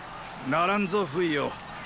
ならんぞ不韋よ。